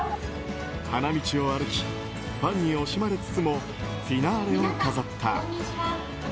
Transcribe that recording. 花道を歩きファンに惜しまれつつもフィナーレを飾った。